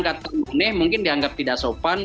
kata aneh mungkin dianggap tidak sopan